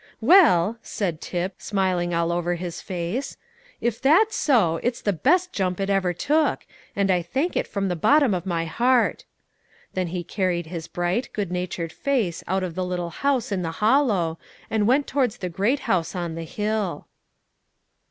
"Well," said Tip, smiling all over his face, "if that's so, it's the best jump it ever took, and I thank it from the bottom of my heart." Then he carried his bright, good natured face out of the little house in the hollow, and went towards the great house on the hill.